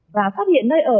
và phát hiện nơi ở